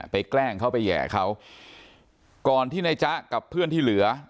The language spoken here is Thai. แกล้งเขาไปแห่เขาก่อนที่นายจ๊ะกับเพื่อนที่เหลือ